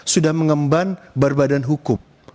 sudah mengemban berbadan hukum